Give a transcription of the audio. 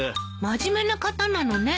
真面目な方なのね。